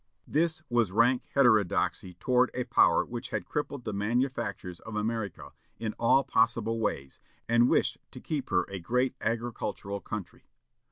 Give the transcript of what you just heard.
This was rank heterodoxy toward a power which had crippled the manufactures of America in all possible ways, and wished to keep her a great agricultural country.